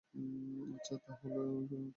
আচ্ছা, তাহলে কেমন হয়?